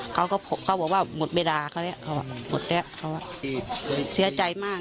เขาก็เขาบอกว่าหมดเวลาเขาแหละเขาว่าหมดแล้วเขาว่าเสียใจมาก